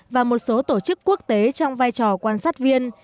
và một số tổ chức quốc tế trong vai trò quan sát viên